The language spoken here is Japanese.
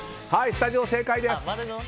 スタジオ、正解です。